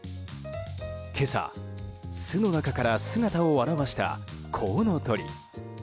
今朝、巣の中から姿を現したコウノトリ。